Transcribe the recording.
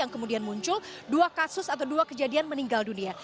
yang kemudian muncul dua kasus atau dua kejadian meninggal dunia